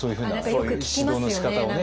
そういう指導のしかたをね。